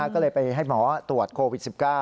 ก็เลยไปให้หมอตรวจโควิด๑๙